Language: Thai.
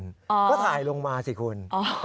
ก็ถ่ายลงมาสิคุณ